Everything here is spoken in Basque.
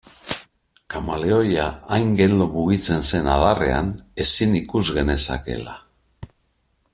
Kameleoia hain geldo mugitzen zen adarrean ezin ikus genezakeela.